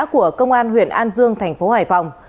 của công an huyện an dương thành phố hải phòng